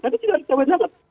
tapi tidak ada jawaban